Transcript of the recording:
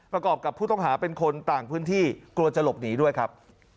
ประกอบกับผู้ต้องหาเป็นคนต่างพื้นที่กลัวจะหลบหนีด้วยครับ